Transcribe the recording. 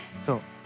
そう。